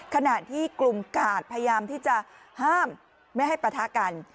ขณะที่กลุ่มกาดพยายามที่จะห้ามไม่ให้ปะทะกัน